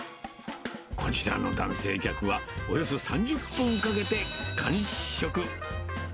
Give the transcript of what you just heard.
こちらの男性客は、およそ３０分かけて完食。